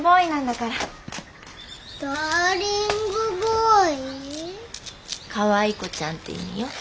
かわい子ちゃんって意味よ。